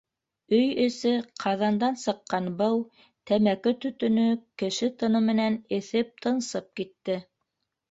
Өй эсе, ҡаҙандан сыҡҡан быу, тәмәке төтөнө, кеше тыны менән эҫеп, тынсып китте.